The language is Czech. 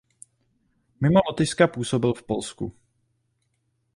Mimo Lotyšska působil v Polsku.